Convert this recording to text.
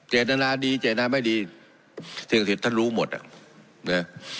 เจรนานาดีเจรนานาไม่ดีเสียงศิษย์ท่านรู้หมดอ่ะเนี่ย